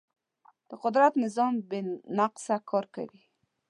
د قدرت نظام بې نقصه کار کوي.